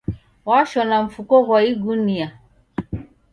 Washona mfuko ghwa igunia